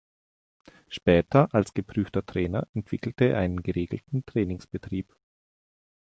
Später als geprüfter Trainer entwickelte er einen geregelten Trainingsbetrieb.